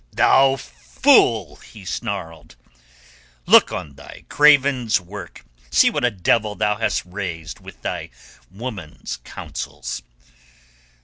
"Thou fool!" he snarled. "Look on thy craven's work. See what a devil thou hast raised with thy woman's counsels.